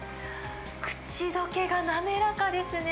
口どけが滑らかですね。